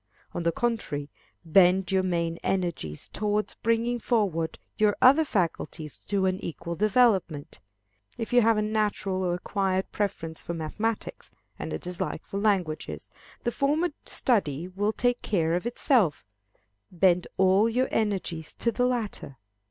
On the contrary, bend your main energies towards bringing forward your other faculties to an equal development. If you have a natural or acquired preference for mathematics, and a dislike for languages, the former study will take care of itself: bend all your energies to the latter.